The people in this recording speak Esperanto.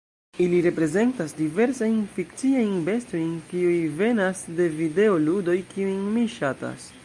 Ili reprezentas diversajn fikciajn bestojn, kiuj venas de videoludoj, kiujn mi ŝatas.